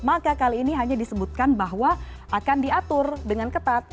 maka kali ini hanya disebutkan bahwa akan diatur dengan ketat